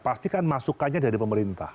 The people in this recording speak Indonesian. pasti kan masukannya dari pemerintah